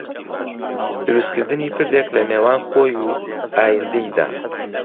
دروستکردنی پردێک لەنێوان خۆی و ئایندەیدا